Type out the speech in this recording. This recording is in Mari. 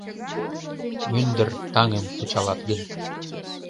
Мӱндыр таҥым кучалат гын